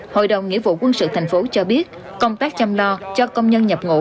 hội đồng nghĩa vụ quân sự thành phố cho biết công tác chăm lo cho công nhân nhập ngũ